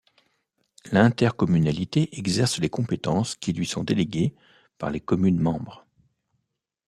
L'intercommunalité exerce les compétences qui lui sont délégués par les communes membres.